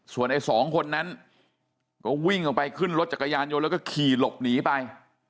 ส่วนไอ้สองคนนั้นก็วิ่งออกไปขึ้นรถจักรยานยนต์แล้วก็ขี่หลบหนีไป